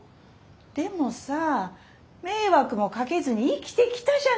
でもさ迷惑もかけずに生きてきたじゃないか。